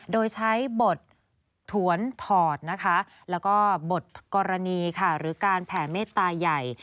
โดยใช้บทถวนถอดนะคะแล้วก็บทกรณีค่ะหรือการแผ่เมตตาใหญ่